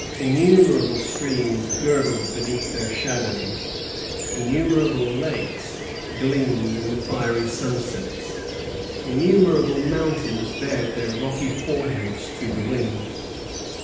Innumerable streams gurgled beneath their shadows; innumerable lakes gleamed in the fiery sunsets; innumerable mountains bared their rocky foreheads to the wind.